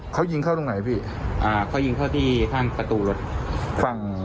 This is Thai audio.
เขายิงเข้าตรงไหนพี่อ่าเขายิงเข้าที่ห้างประตูรถฝั่ง